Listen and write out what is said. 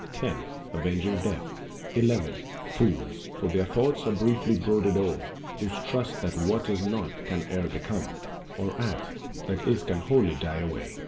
10. Avenging Death. Ex nihilo nihil. 11. Fools! for their thoughts are briefly brooded o'er. Who trust that what is not can e'er become, Or aught that is can wholly die away.